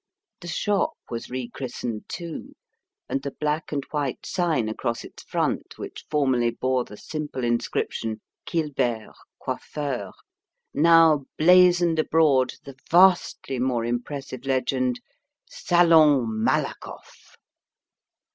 The shop was rechristened, too, and the black and white sign across its front which formerly bore the simple inscription "Kilbert, Coiffeur," now blazoned abroad the vastly more impressive legend "Salon Malakoff."